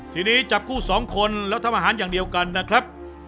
ทีนี้จับคู่สองคนแล้วทำอาหารอย่างเดียวกันนะครับ